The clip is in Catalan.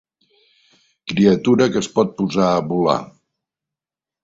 Criatura que es pot posar a volar.